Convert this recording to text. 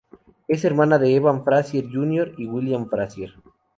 Es hermana de Evan Frazier Jr y William Frazier.